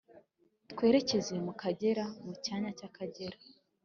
twerekeza mu Kagera. Mu cyanya cy’Akagera,